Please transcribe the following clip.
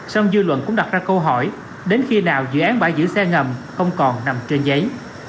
sông dư luận cũng đặt ra câu hỏi đến khi nào dự án bãi giữ xe ngầm không còn nằm trên giấy